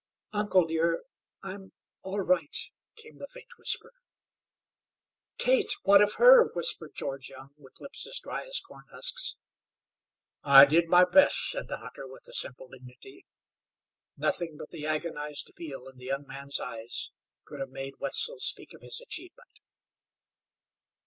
"Uncle dear I'm all right," came the faint answer. "Kate? What of her?" whispered George Young with lips as dry as corn husks. "I did my best," said the hunter with a simple dignity. Nothing but the agonized appeal in the young man's eyes could have made Wetzel speak of his achievement.